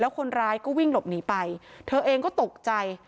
คนร้ายก็วิ่งหลบหนีไปเธอเองก็ตกใจ